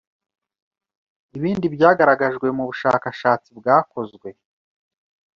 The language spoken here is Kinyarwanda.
Ibindi byagaragajwe mu bushakashatsi bwakozwe